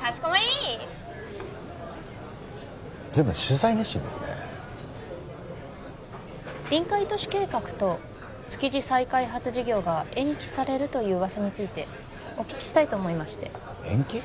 かしこまり随分取材熱心ですね臨海都市計画と築地再開発事業が延期されるという噂についてお聞きしたいと思いまして延期？